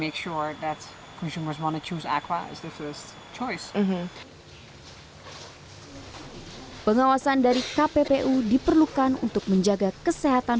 kita hanya perlu berusaha lebih keras untuk memastikan